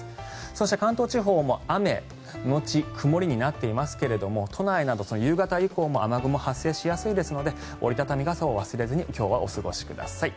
そして、関東地方も雨のち曇りになっていますが都内など夕方以降も雨雲が発生しやすいですので折り畳み傘を忘れずに今日はお過ごしください。